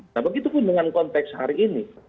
nah begitupun dengan konteks hari ini